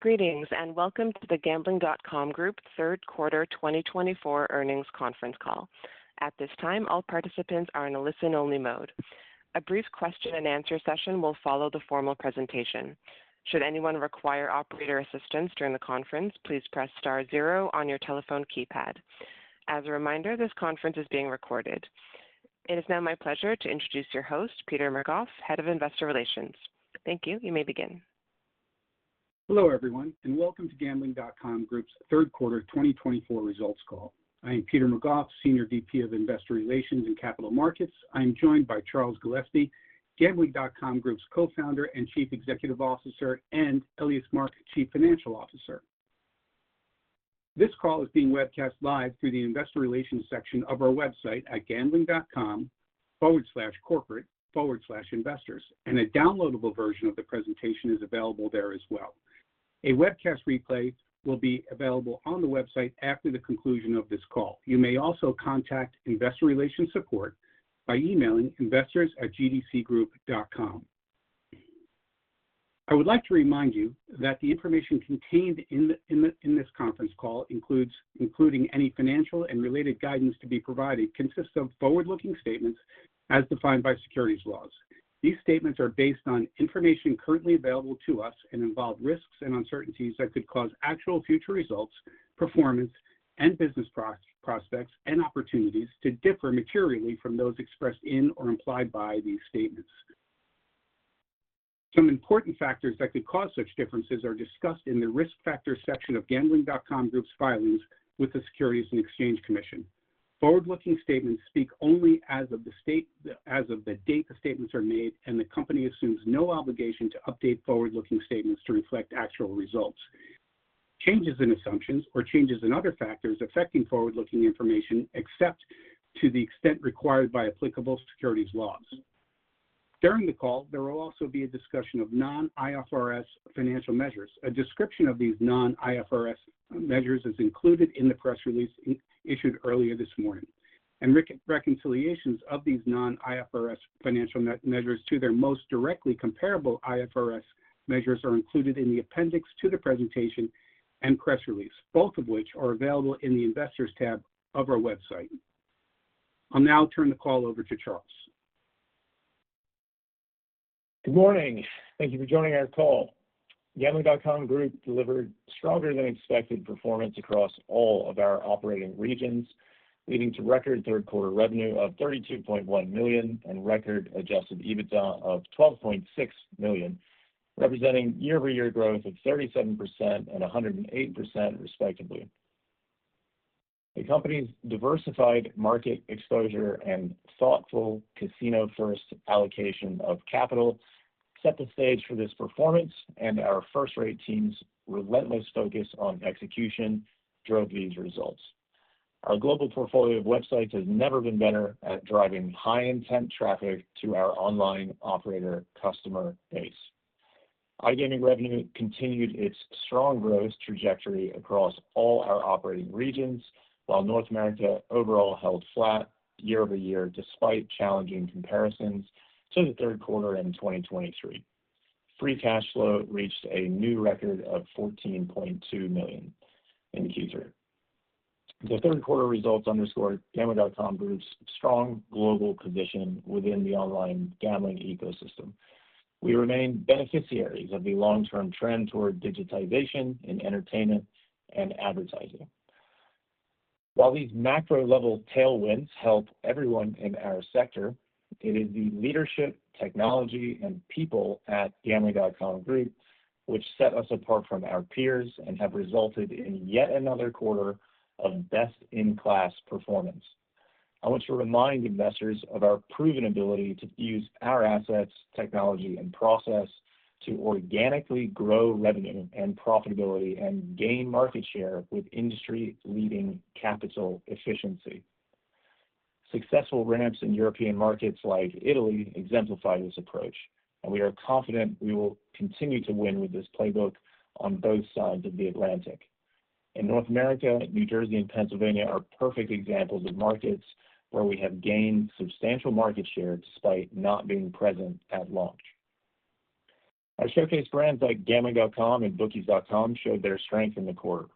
Greetings and welcome to the Gambling.com Group Third Quarter 2024 earnings conference call. At this time, all participants are in a listen-only mode. A brief question-and-answer session will follow the formal presentation. Should anyone require operator assistance during the conference, please press star zero on your telephone keypad. As a reminder, this conference is being recorded. It is now my pleasure to introduce your host, Peter McGough, Head of Investor Relations. Thank you. You may begin. Hello everyone, and welcome to Gambling.com Group's Third Quarter 2024 results call. I am Peter McGough, Senior VP of Investor Relations and Capital Markets. I am joined by Charles Gillespie, Gambling.com Group's Co-Founder and Chief Executive Officer, and Elias Mark, Chief Financial Officer. This call is being webcast live through the Investor Relations section of our website at gambling.com/corporate/investors, and a downloadable version of the presentation is available there as well. A webcast replay will be available on the website after the conclusion of this call. You may also contact Investor Relations Support by emailing investors@gdcgroup.com. I would like to remind you that the information contained in this conference call, including any financial and related guidance to be provided, consists of forward-looking statements as defined by securities laws. These statements are based on information currently available to us and involve risks and uncertainties that could cause actual future results, performance, and business prospects, and opportunities to differ materially from those expressed in or implied by these statements. Some important factors that could cause such differences are discussed in the risk factor section of Gambling.com Group's filings with the Securities and Exchange Commission. Forward-looking statements speak only as of the date the statements are made, and the company assumes no obligation to update forward-looking statements to reflect actual results. Changes in assumptions or changes in other factors affecting forward-looking information except to the extent required by applicable securities laws. During the call, there will also be a discussion of non-IFRS financial measures. A description of these non-IFRS measures is included in the press release issued earlier this morning, and reconciliations of these non-IFRS financial measures to their most directly comparable IFRS measures are included in the appendix to the presentation and press release, both of which are available in the Investors tab of our website. I'll now turn the call over to Charles. Good morning. Thank you for joining our call. Gambling.com Group delivered stronger-than-expected performance across all of our operating regions, leading to record third quarter revenue of $32.1 million and record Adjusted EBITDA of $12.6 million, representing year-over-year growth of 37% and 108%, respectively. The company's diversified market exposure and thoughtful casino-first allocation of capital set the stage for this performance, and our first-rate team's relentless focus on execution drove these results. Our global portfolio of websites has never been better at driving high-intent traffic to our online operator customer base. iGaming revenue continued its strong growth trajectory across all our operating regions, while North America overall held flat year-over-year despite challenging comparisons to the third quarter in 2023. Free Cash Flow reached a new record of $14.2 million in Q3. The third-quarter results underscore Gambling.com Group's strong global position within the online gambling ecosystem. We remain beneficiaries of the long-term trend toward digitization in entertainment and advertising. While these macro-level tailwinds help everyone in our sector, it is the leadership, technology, and people at Gambling.com Group which set us apart from our peers and have resulted in yet another quarter of best-in-class performance. I want to remind investors of our proven ability to use our assets, technology, and process to organically grow revenue and profitability and gain market share with industry-leading capital efficiency. Successful run-ups in European markets like Italy exemplify this approach, and we are confident we will continue to win with this playbook on both sides of the Atlantic. In North America, New Jersey, and Pennsylvania are perfect examples of markets where we have gained substantial market share despite not being present at launch. Our showcase brands like Gambling.com and Bookies.com showed their strength in the quarter.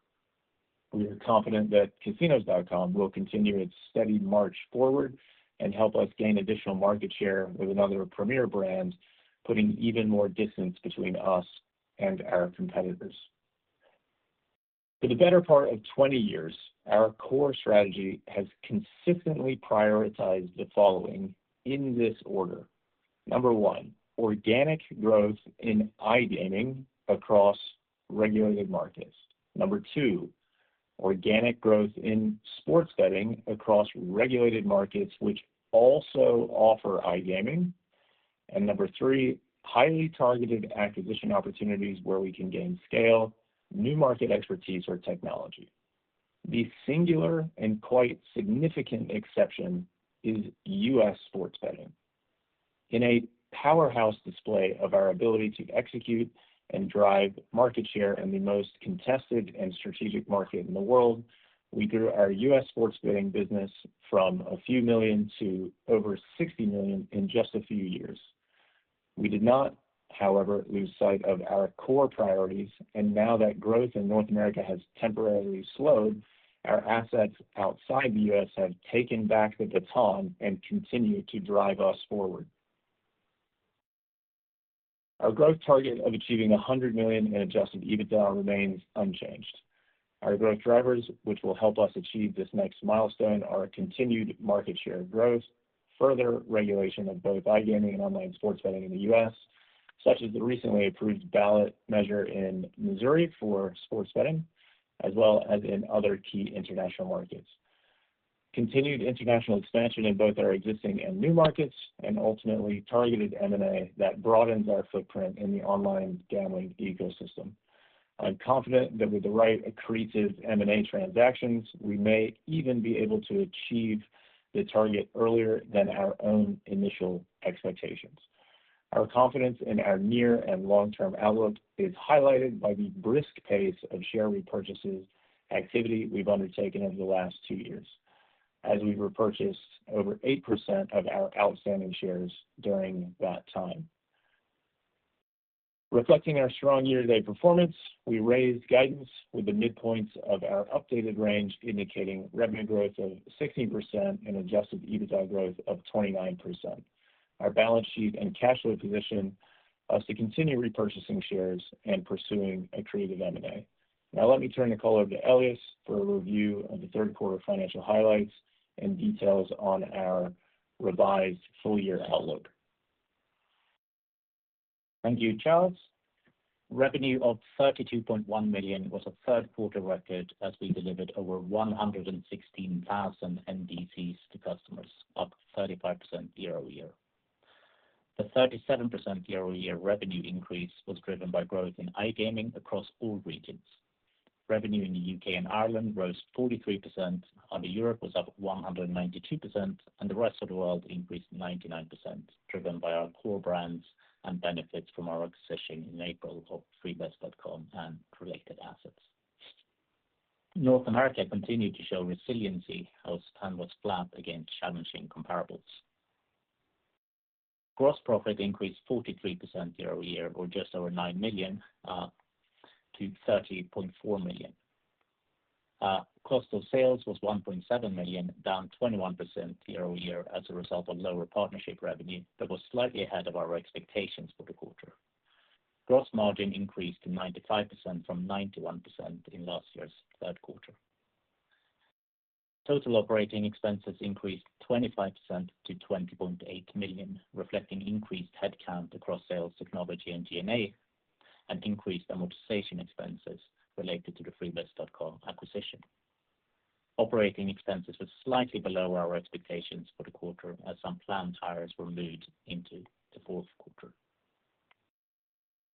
We are confident that Casinos.com will continue its steady march forward and help us gain additional market share with another premier brand, putting even more distance between us and our competitors. For the better part of 20 years, our core strategy has consistently prioritized the following in this order: Number one, organic growth in iGaming across regulated markets. Number two, organic growth in sports betting across regulated markets which also offer iGaming. And number three, highly targeted acquisition opportunities where we can gain scale, new market expertise, or technology. The singular and quite significant exception is U.S. sports betting. In a powerhouse display of our ability to execute and drive market share in the most contested and strategic market in the world, we grew our U.S. sports betting business from a few million to over $60 million in just a few years. We did not, however, lose sight of our core priorities, and now that growth in North America has temporarily slowed, our assets outside the U.S. have taken back the baton and continue to drive us forward. Our growth target of achieving $100 million in Adjusted EBITDA remains unchanged. Our growth drivers, which will help us achieve this next milestone, are continued market share growth, further regulation of both iGaming and online sports betting in the U.S., such as the recently approved ballot measure in Missouri for sports betting, as well as in other key international markets, continued international expansion in both our existing and new markets, and ultimately targeted M&A that broadens our footprint in the online gambling ecosystem. I'm confident that with the right accretive M&A transactions, we may even be able to achieve the target earlier than our own initial expectations. Our confidence in our near and long-term outlook is highlighted by the brisk pace of share repurchases activity we've undertaken over the last two years, as we've repurchased over 8% of our outstanding shares during that time. Reflecting our strong year-to-date performance, we raised guidance with the midpoint of our updated range, indicating revenue growth of 16% and Adjusted EBITDA growth of 29%. Our balance sheet and cash flow position us to continue repurchasing shares and pursuing accretive M&A. Now, let me turn the call over to Elias for a review of the third quarter financial highlights and details on our revised full-year outlook. Thank you, Charles. Revenue of $32.1 million was a third-quarter record as we delivered over 116,000 NDCs to customers, up 35% year-over-year. The 37% year-over-year revenue increase was driven by growth in iGaming across all regions. Revenue in the U.K. and Ireland rose 43%, other Europe was up 192%, and the rest of the world increased 99%, driven by our core brands and benefits from our acquisition in April of Freebets.com and related assets. North America continued to show resiliency and was flat against challenging comparables. Gross profit increased 43% year-over-year, or just over $9 million, to $30.4 million. Cost of sales was $1.7 million, down 21% year-over-year as a result of lower partnership revenue, but was slightly ahead of our expectations for the quarter. Gross margin increased to 95% from 91% in last year's third quarter. Total operating expenses increased 25% to $20.8 million, reflecting increased headcount across sales, technology, and G&A, and increased amortization expenses related to the Freebets.com acquisition. Operating expenses were slightly below our expectations for the quarter as some planned hires were moved into the fourth quarter.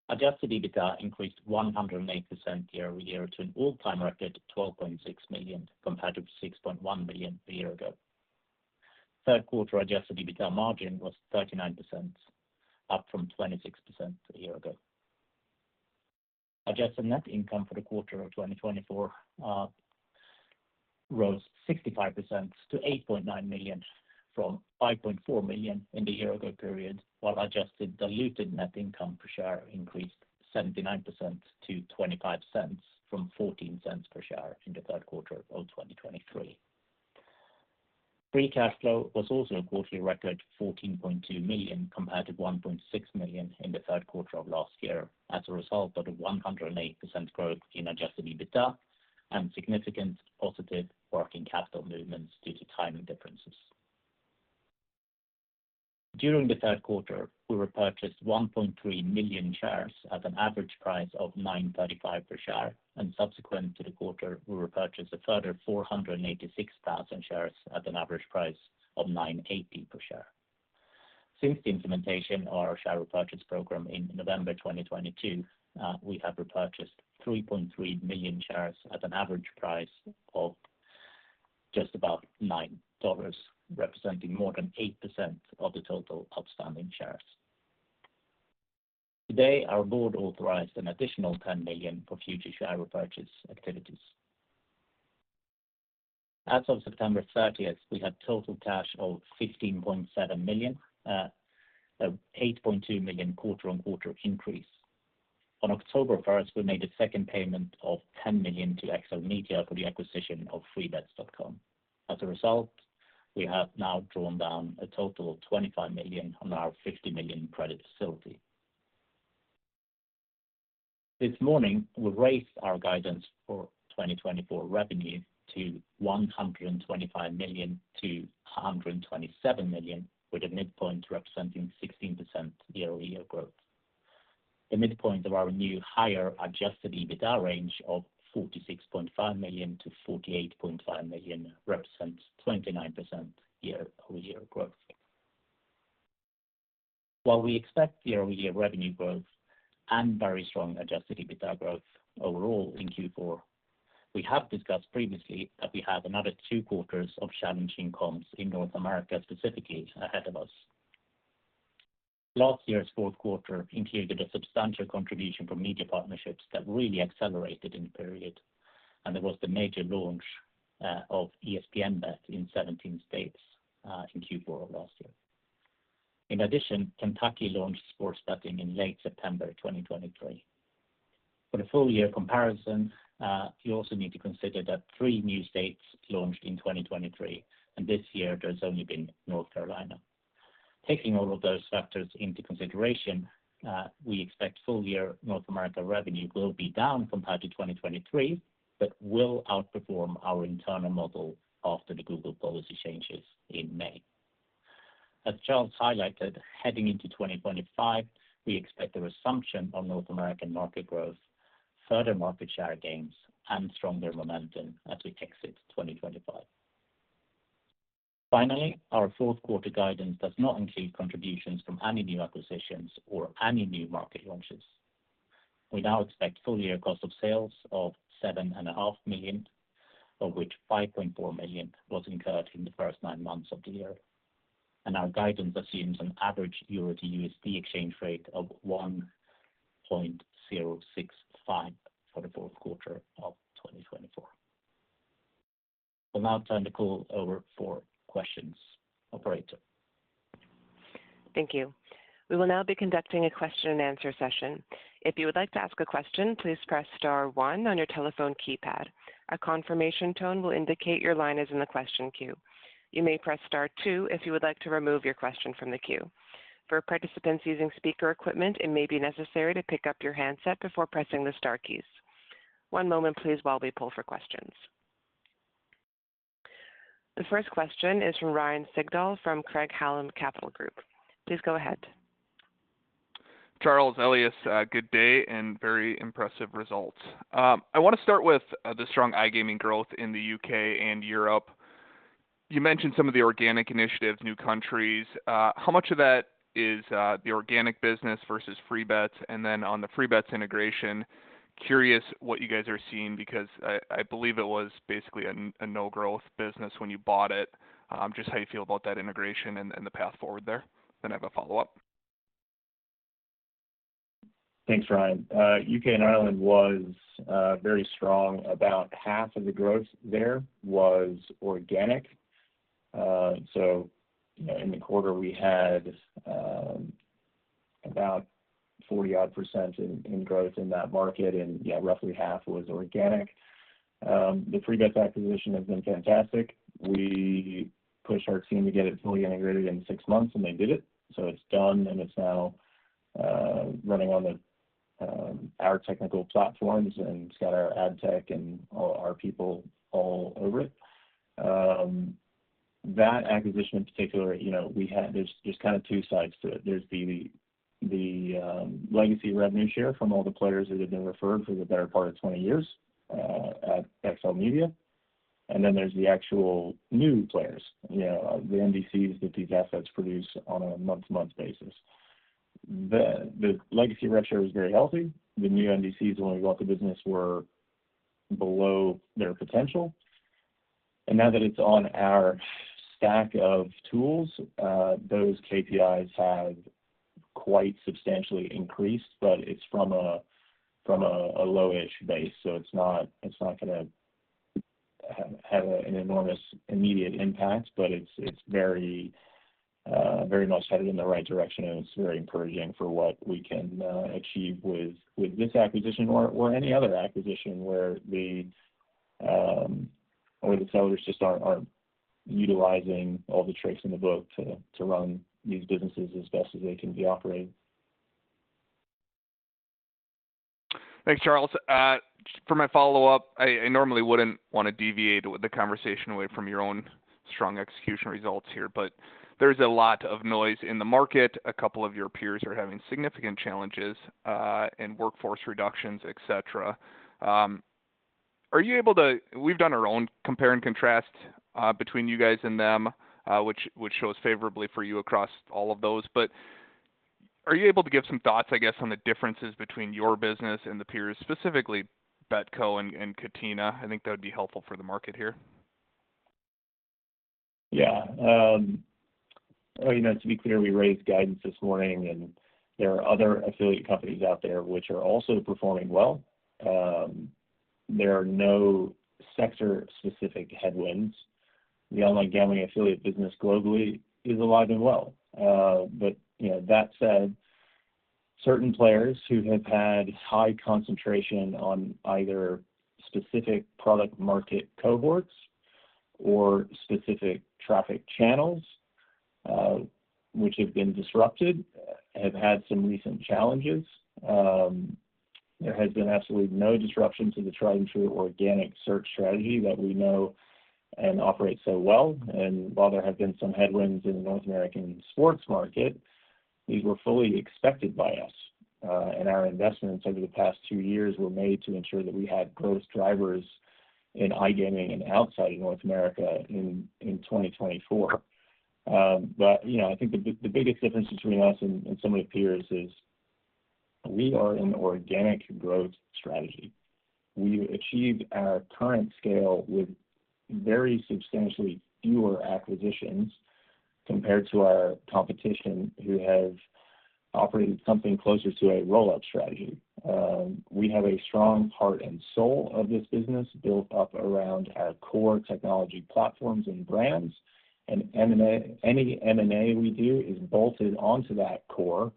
Adjusted EBITDA increased 108% year-over-year to an all-time record of $12.6 million, compared to $6.1 million a year ago. Third-quarter adjusted EBITDA margin was 39%, up from 26% a year ago. Adjusted net income for the quarter of 2024 rose 65% to $8.9 million, from $5.4 million in the year-ago period, while adjusted diluted net income per share increased 79% to $0.25, from $0.14 per share in the third quarter of 2023. Free cash flow was also a quarterly record of $14.2 million, compared to $1.6 million in the third quarter of last year, as a result of the 108% growth in adjusted EBITDA and significant positive working capital movements due to timing differences. During the third quarter, we repurchased 1.3 million shares at an average price of $9.35 per share, and subsequent to the quarter, we repurchased a further 486,000 shares at an average price of $9.80 per share. Since the implementation of our share repurchase program in November 2022, we have repurchased 3.3 million shares at an average price of just about $9, representing more than 8% of the total outstanding shares. Today, our board authorized an additional $10 million for future share repurchase activities. As of September 30th, we had total cash of $15.7 million, an $8.2 million quarter-on-quarter increase. On October 1st, we made a second payment of $10 million to X Media for the acquisition of Freebets.com. As a result, we have now drawn down a total of $25 million on our $50 million credit facility. This morning, we raised our guidance for 2024 revenue to $125-$127 million, with the midpoint representing 16% year-over-year growth. The midpoint of our new higher Adjusted EBITDA range of $46.5-$48.5 million represents 29% year-over-year growth. While we expect year-over-year revenue growth and very strong Adjusted EBITDA growth overall in Q4, we have discussed previously that we have another two quarters of challenging comps in North America specifically ahead of us. Last year's fourth quarter included a substantial contribution from media partnerships that really accelerated in the period, and there was the major launch of ESPN BET in 17 states in Q4 of last year. In addition, Kentucky launched sports betting in late September 2023. For the full-year comparison, you also need to consider that three new states launched in 2023, and this year there's only been North Carolina. Taking all of those factors into consideration, we expect full-year North America revenue will be down compared to 2023, but will outperform our internal model after the Google policy changes in May. As Charles highlighted, heading into 2025, we expect the resumption of North American market growth, further market share gains, and stronger momentum as we exit 2025. Finally, our fourth quarter guidance does not include contributions from any new acquisitions or any new market launches. We now expect full-year cost of sales of $7.5 million, of which $5.4 million was incurred in the first nine months of the year, and our guidance assumes an average EUR to USD exchange rate of 1.065 for the fourth quarter of 2024. I'll now turn the call over for questions. Operator. Thank you. We will now be conducting a question-and-answer session. If you would like to ask a question, please press star one on your telephone keypad. A confirmation tone will indicate your line is in the question queue. You may press star two if you would like to remove your question from the queue. For participants using speaker equipment, it may be necessary to pick up your handset before pressing the star keys. One moment, please, while we poll for questions. The first question is from Ryan Sigdahl from Craig-Hallum Capital Group. Please go ahead. Charles, Elias, good day and very impressive results. I want to start with the strong iGaming growth in the UK and Europe. You mentioned some of the organic initiatives, new countries. How much of that is the organic business versus Freebets? And then on the Freebets integration, curious what you guys are seeing because I believe it was basically a no-growth business when you bought it. Just how you feel about that integration and the path forward there. Then I have a follow-up. Thanks, Ryan. UK and Ireland was very strong. About half of the growth there was organic. So in the quarter, we had about 40-odd% in growth in that market, and yeah, roughly half was organic. The Freebets acquisition has been fantastic. We pushed our team to get it fully integrated in six months, and they did it. So it's done, and it's now running on our technical platforms, and it's got our ad tech and all our people all over it. That acquisition, in particular, there's just kind of two sides to it. There's the legacy revenue share from all the players that have been referred for the better part of 20 years at Catena Media, and then there's the actual new players, the NDCs that these assets produce on a month-to-month basis. The legacy rev share was very healthy. The new NDCs, when we bought the business, were below their potential. And now that it's on our stack of tools, those KPIs have quite substantially increased, but it's from a low-ish base. So it's not going to have an enormous immediate impact, but it's very much headed in the right direction, and it's very encouraging for what we can achieve with this acquisition or any other acquisition where the sellers just aren't utilizing all the tricks in the book to run these businesses as best as they can be operated. Thanks, Charles. For my follow-up, I normally wouldn't want to deviate the conversation away from your own strong execution results here, but there's a lot of noise in the market. A couple of your peers are having significant challenges in workforce reductions, etc. Are you able to - we've done our own compare and contrast between you guys and them, which shows favorably for you across all of those. But are you able to give some thoughts, I guess, on the differences between your business and the peers, specifically Bet Co. and Catena? I think that would be helpful for the market here. Yeah. To be clear, we raised guidance this morning, and there are other affiliate companies out there which are also performing well. There are no sector-specific headwinds. The online gambling affiliate business globally is alive and well. But that said, certain players who have had high concentration on either specific product-market cohorts or specific traffic channels, which have been disrupted, have had some recent challenges. There has been absolutely no disruption to the tried-and-true organic search strategy that we know and operate so well. And while there have been some headwinds in the North American sports market, these were fully expected by us. And our investments over the past two years were made to ensure that we had growth drivers in iGaming and outside of North America in 2024. But I think the biggest difference between us and some of the peers is we are an organic growth strategy. We achieved our current scale with very substantially fewer acquisitions compared to our competition who have operated something closer to a roll-up strategy. We have a strong heart and soul of this business built up around our core technology platforms and brands, and any M&A we do is bolted onto that core,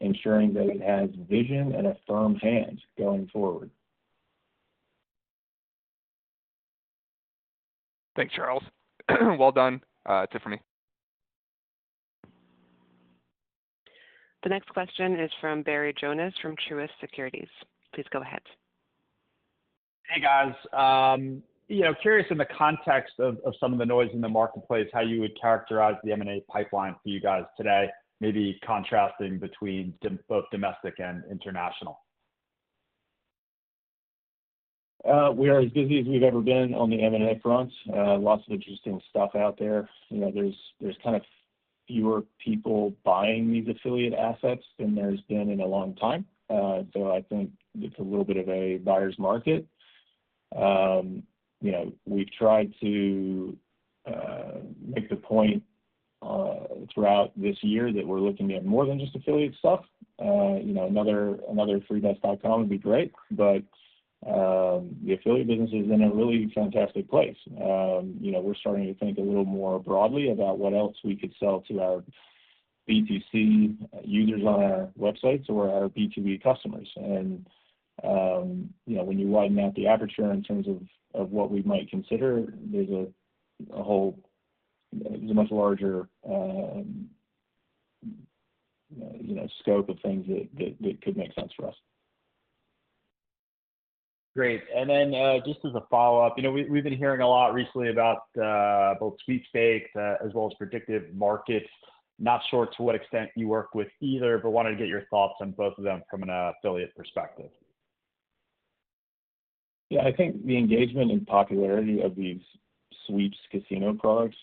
ensuring that it has vision and a firm hand going forward. Thanks, Charles. Well done. Tip for me. The next question is from Barry Jonas from Truist Securities. Please go ahead. Hey, guys. Curious, in the context of some of the noise in the marketplace, how you would characterize the M&A pipeline for you guys today, maybe contrasting between both domestic and international? We are as busy as we've ever been on the M&A front. Lots of interesting stuff out there. There's kind of fewer people buying these affiliate assets than there's been in a long time. So I think it's a little bit of a buyer's market. We've tried to make the point throughout this year that we're looking at more than just affiliate stuff. Another Freebets.com would be great, but the affiliate business is in a really fantastic place. We're starting to think a little more broadly about what else we could sell to our B2C users on our websites or our B2B customers. And when you widen out the aperture in terms of what we might consider, there's a much larger scope of things that could make sense for us. Great. And then just as a follow-up, we've been hearing a lot recently about both sweepstakes as well as predictive markets. Not sure to what extent you work with either, but wanted to get your thoughts on both of them from an affiliate perspective. Yeah. I think the engagement and popularity of these sweeps casino products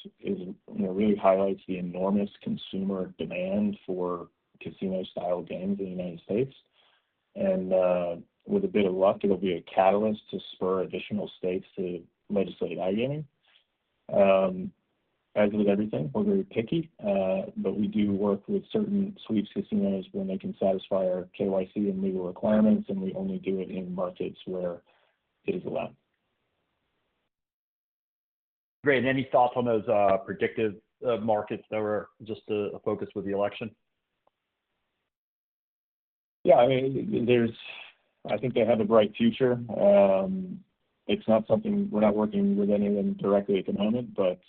really highlights the enormous consumer demand for casino-style games in the United States. And with a bit of luck, it'll be a catalyst to spur additional states to legislate iGaming. As with everything, we're very picky, but we do work with certain sweeps casinos when they can satisfy our KYC and legal requirements, and we only do it in markets where it is allowed. Great. Any thoughts on those predictive markets that were just a focus with the election? Yeah. I mean, I think they have a bright future. It's not something we're not working with any of them directly at the moment, but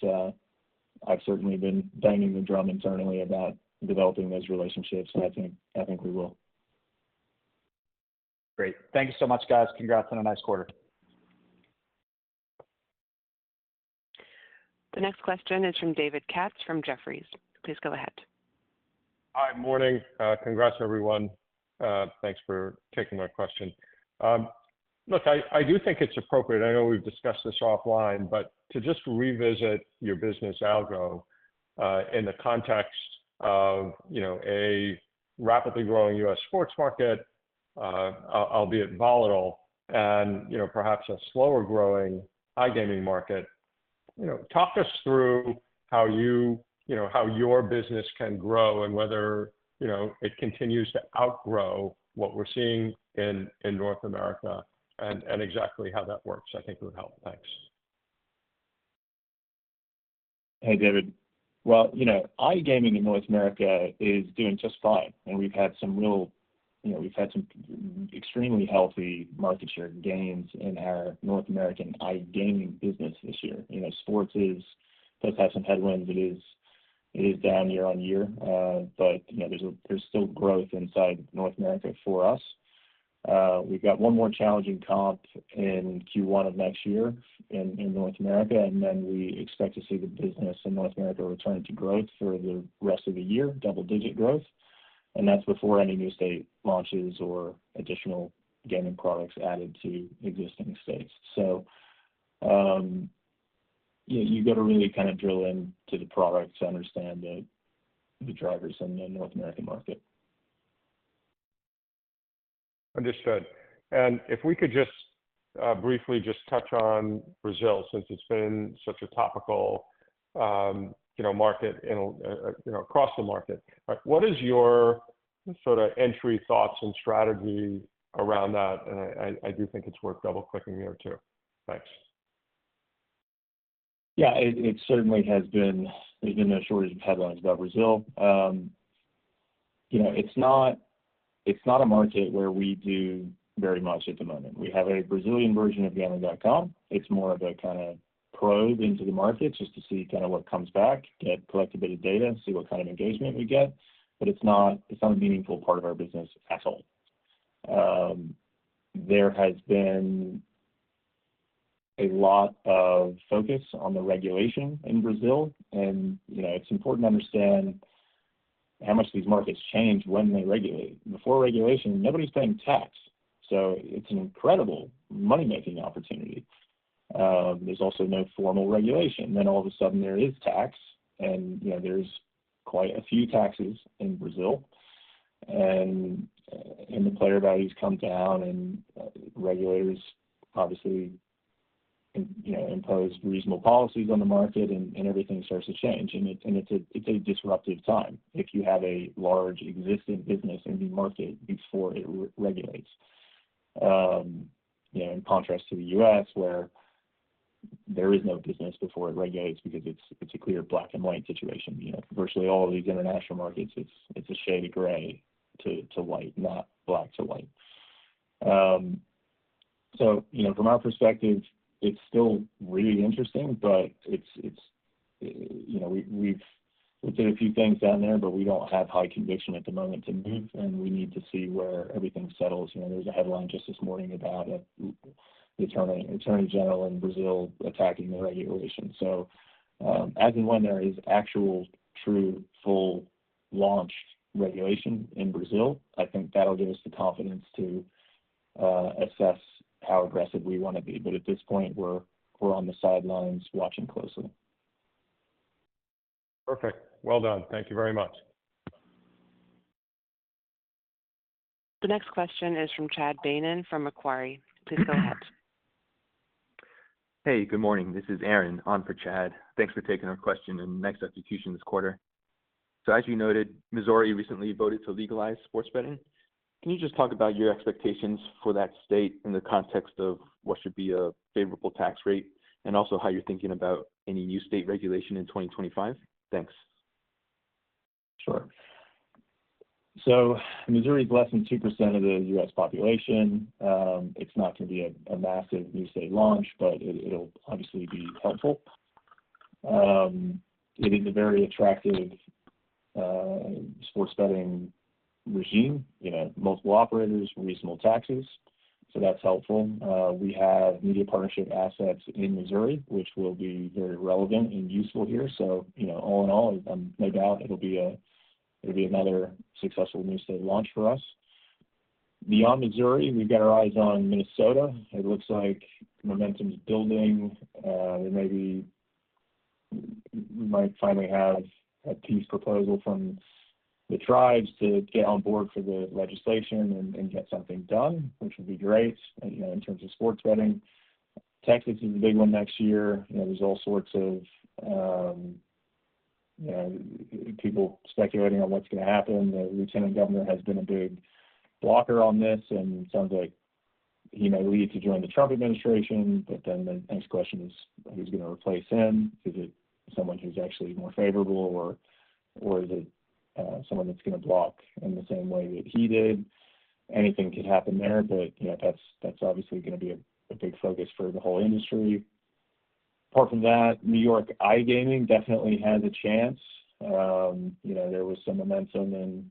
I've certainly been banging the drum internally about developing those relationships, and I think we will. Great. Thank you so much, guys. Congrats on a nice quarter. The next question is from David Katz from Jefferies. Please go ahead. Hi. Morning. Congrats, everyone. Thanks for taking my question. Look, I do think it's appropriate, I know we've discussed this offline, but to just revisit your business model in the context of a rapidly growing U.S. sports market, albeit volatile, and perhaps a slower-growing iGaming market. Talk us through how your business can grow and whether it continues to outgrow what we're seeing in North America and exactly how that works. I think it would help. Thanks. Hey, David. Well, iGaming in North America is doing just fine, and we've had some extremely healthy market share gains in our North American iGaming business this year. Sports does have some headwinds. It is down year on year, but there's still growth inside North America for us. We've got one more challenging comp in Q1 of next year in North America, and then we expect to see the business in North America return to growth for the rest of the year, double-digit growth. And that's before any new state launches or additional gaming products added to existing states. So you've got to really kind of drill into the product to understand the drivers in the North American market. Understood. And if we could just briefly touch on Brazil, since it's been such a topical market across the market. What is your sort of entry thoughts and strategy around that? And I do think it's worth double-clicking there too. Thanks. Yeah. It certainly has been. There's been a shortage of headlines about Brazil. It's not a market where we do very much at the moment. We have a Brazilian version of Gambling.com. It's more of a kind of probe into the market just to see kind of what comes back, collect a bit of data, see what kind of engagement we get. But it's not a meaningful part of our business at all. There has been a lot of focus on the regulation in Brazil, and it's important to understand how much these markets change when they regulate. Before regulation, nobody's paying tax. So it's an incredible money-making opportunity. There's also no formal regulation. Then all of a sudden, there is tax, and there's quite a few taxes in Brazil. And the player values come down, and regulators obviously impose reasonable policies on the market, and everything starts to change. And it's a disruptive time if you have a large existing business in the market before it regulates. In contrast to the U.S., where there is no business before it regulates because it's a clear black-and-white situation. Virtually all of these international markets, it's a shade of gray to white, not black to white. So from our perspective, it's still really interesting, but we've looked at a few things down there, but we don't have high conviction at the moment to move, and we need to see where everything settles. There was a headline just this morning about an attorney general in Brazil attacking the regulation. So as in when there is actual true full-launched regulation in Brazil, I think that'll give us the confidence to assess how aggressive we want to be. But at this point, we're on the sidelines watching closely. Perfect. Well done. Thank you very much. The next question is from Chad Beynon from Macquarie. Please go ahead. Hey, good morning. This is Aaron on for Chad. Thanks for taking our question and next execution this quarter. So as you noted, Missouri recently voted to legalize sports betting. Can you just talk about your expectations for that state in the context of what should be a favorable tax rate and also how you're thinking about any new state regulation in 2025? Thanks. Sure. So Missouri is less than 2% of the U.S. population. It's not going to be a massive new state launch, but it'll obviously be helpful. It is a very attractive sports betting regime, multiple operators, reasonable taxes. So that's helpful. We have media partnership assets in Missouri, which will be very relevant and useful here. So all in all, no doubt, it'll be another successful new state launch for us. Beyond Missouri, we've got our eyes on Minnesota. It looks like momentum's building. We might finally have a peace proposal from the tribes to get on board for the legislation and get something done, which would be great in terms of sports betting. Texas is a big one next year. There's all sorts of people speculating on what's going to happen. The lieutenant governor has been a big blocker on this, and it sounds like he may leave to join the Trump administration. But then the next question is, who's going to replace him? Is it someone who's actually more favorable, or is it someone that's going to block in the same way that he did? Anything could happen there, but that's obviously going to be a big focus for the whole industry. Apart from that, New York iGaming definitely has a chance. There was some momentum in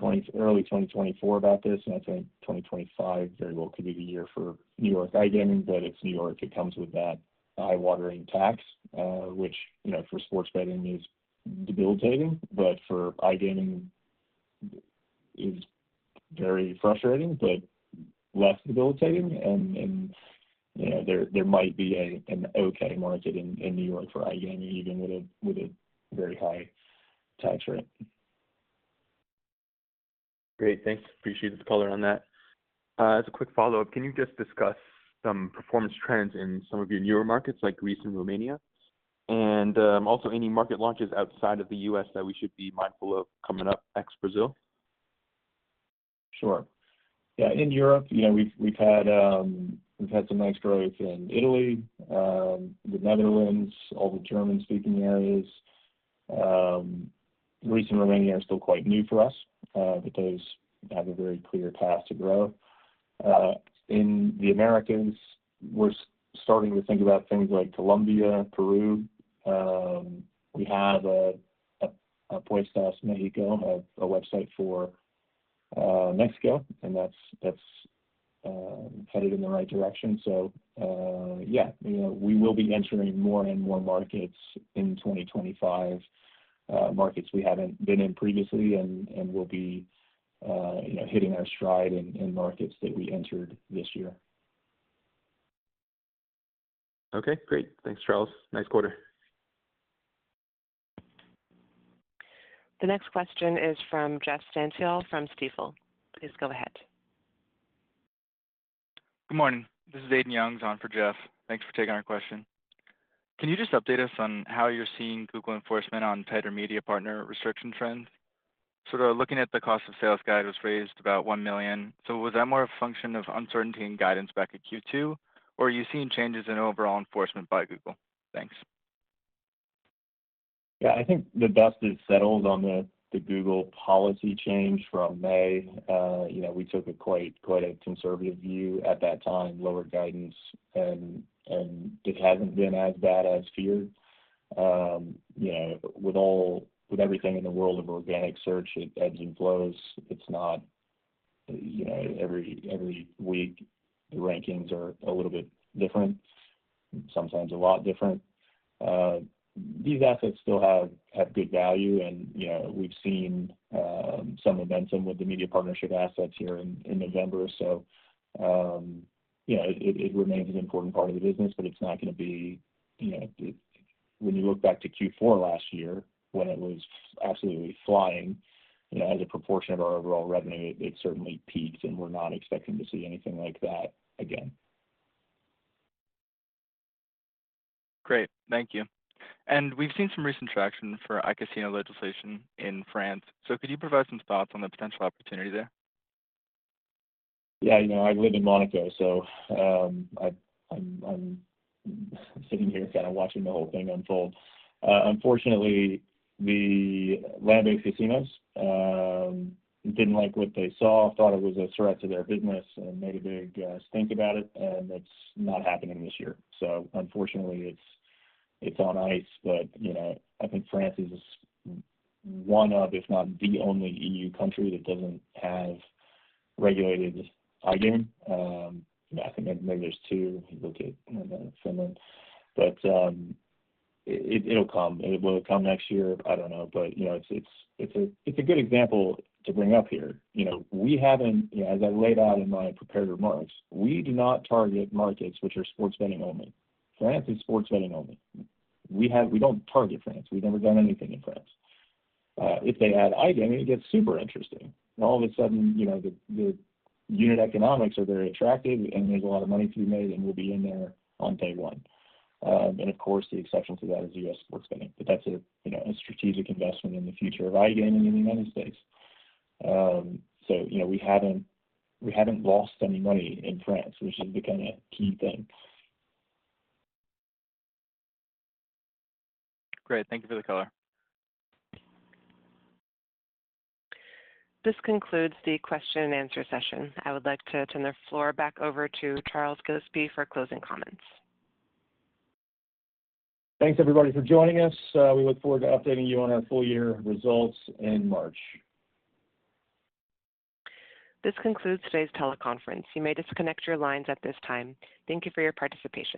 early 2024 about this, and I'd say 2025 very well could be the year for New York iGaming, but it's New York. It comes with that eye-watering tax, which for sports betting is debilitating, but for iGaming is very frustrating, but less debilitating. And there might be an okay market in New York for iGaming, even with a very high tax rate. Great. Thanks. Appreciate the color on that. As a quick follow-up, can you just discuss some performance trends in some of your newer markets, like Greece and Romania? And also any market launches outside of the U.S. that we should be mindful of coming up ex-Brazil? Sure. Yeah. In Europe, we've had some nice growth in Italy, the Netherlands, all the German-speaking areas. Greece and Romania are still quite new for us, but those have a very clear path to grow. In the Americas, we're starting to think about things like Colombia, Peru. We have an Apuestas Mexico, a website for Mexico, and that's headed in the right direction. So yeah, we will be entering more and more markets in 2025, markets we haven't been in previously, and we'll be hitting our stride in markets that we entered this year. Okay. Great. Thanks, Charles. Nice quarter. The next question is from Jeff Stantial from Stifel. Please go ahead. Good morning. This is Aidan Young on for Jeff. Thanks for taking our question. Can you just update us on how you're seeing Google enforcement on tighter media partner restriction trends? Sort of looking at the cost of sales guide was raised about $1 million. So was that more a function of uncertainty and guidance back at Q2, or are you seeing changes in overall enforcement by Google? Thanks. Yeah. I think the dust has settled on the Google policy change from May. We took quite a conservative view at that time, lowered guidance, and it hasn't been as bad as feared. With everything in the world of organic search, it ebbs and flows. It's not every week the rankings are a little bit different, sometimes a lot different. These assets still have good value, and we've seen some momentum with the media partnership assets here in November. So it remains an important part of the business, but it's not going to be when you look back to Q4 last year when it was absolutely flying as a proportion of our overall revenue. It certainly peaked, and we're not expecting to see anything like that again. Great. Thank you. And we've seen some recent traction for iCasino legislation in France. So could you provide some thoughts on the potential opportunity there? Yeah. I live in Monaco, so I'm sitting here kind of watching the whole thing unfold. Unfortunately, the land casinos didn't like what they saw, thought it was a threat to their business, and made a big stink about it. And it's not happening this year. So unfortunately, it's on ice. But I think France is one of, if not the only, EU country that doesn't have regulated iGaming. I think maybe there's two. You look at some of them. But it'll come. It will come next year. I don't know. But it's a good example to bring up here. As I laid out in my prepared remarks, we do not target markets which are sports betting only. France is sports betting only. We don't target France. We've never done anything in France. If they add iGaming, it gets super interesting. And all of a sudden, the unit economics are very attractive, and there's a lot of money to be made, and we'll be in there on day one. And of course, the exception to that is U.S. sports betting. But that's a strategic investment in the future of iGaming in the United States. So we haven't lost any money in France, which is the kind of key thing. Great. Thank you for the call. This concludes the question-and-answer session. I would like to turn the floor back over to Charles Gillespie for closing comments. Thanks, everybody, for joining us. We look forward to updating you on our full-year results in March. This concludes today's teleconference. You may disconnect your lines at this time. Thank you for your participation.